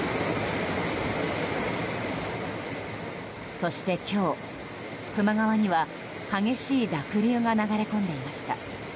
そして今日、球磨川には激しい濁流が流れ込んでいました。